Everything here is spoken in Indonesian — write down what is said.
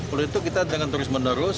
oleh itu kita dengan terus menerus